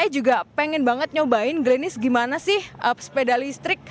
saya juga pengen banget nyobain glennish gimana sih sepeda listrik